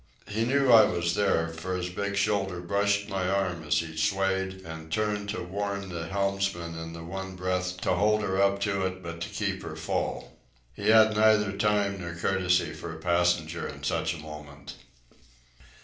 He knew I was there, for his big shoulder brushed my arm as he swayed and turned to warn the helmsmen in the one breath to hold her up to it but to keep her full. He had neither time nor courtesy for a passenger in such a moment.